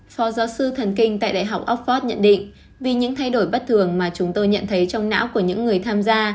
phó giáo sư thần kinh tại đại học oxford nhận định vì những thay đổi bất thường mà chúng tôi nhận thấy trong não của những người tham gia